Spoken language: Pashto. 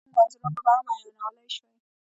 دا خیالونه د انځورونو په بڼه بیانولی شو.